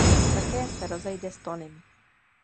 Také se rozejde s Tonym.